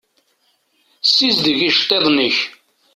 Sizdeg iceṭṭiḍen-ik.